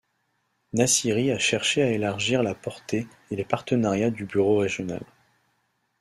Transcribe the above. Naciri a cherché à élargir la portée et les partenariats du bureau régional.